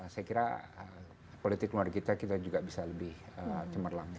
saya kira politik luar kita kita juga bisa lebih cemerlang